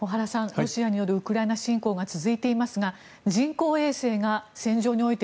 ロシアによるウクライナ侵攻が続いていますが人工衛星が戦場において